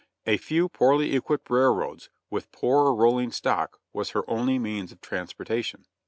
A few poorly equipped railroads, with poorer rolling stock, was her only means of transportation.